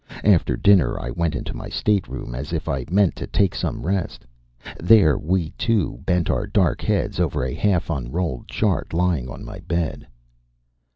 After dinner I went into my stateroom as if I meant to take some rest. There we two bent our dark heads over a half unrolled chart lying on my bed.